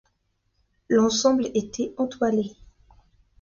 L'ensemble était entoilé.